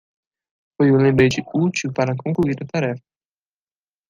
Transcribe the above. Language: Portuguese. Foi um lembrete útil para concluir a tarefa.